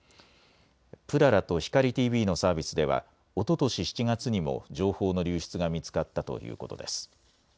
ぷららとひかりＴＶのサービスでは、おととし７月にも情報の流出が見つかったということです。